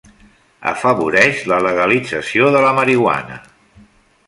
Afavoreix la legalització de la marihuana.